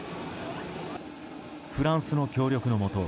フランスの協力のもと